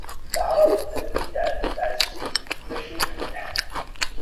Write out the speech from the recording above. Teɛreḍ ad t-id-tɛezzi maca ifut lḥal.